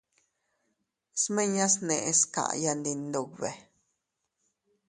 Smiñas neʼes kaya ndi Iyndube.